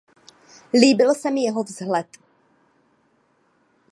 Líbil se mi jeho vzhled.